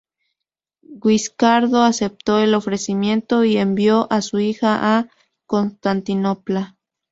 Guiscardo aceptó el ofrecimiento y envió a su hija a Constantinopla.